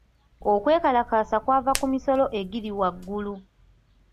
Okwekalakaasa kwava ku misolo egiri waggulu.